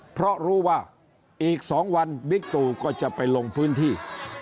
เพราะรู้ว่าอีก๒วันบิ๊กตูก็จะไปลงพื้นที่